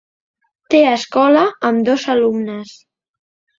Té escola amb dos alumnes.